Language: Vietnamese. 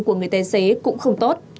của người tài xế cũng không tốt